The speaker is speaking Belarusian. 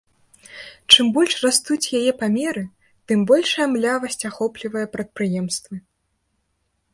Чым больш растуць яе памеры, тым большая млявасць ахоплівае прадпрыемствы.